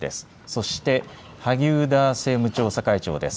そして、萩生田政務調査会長です。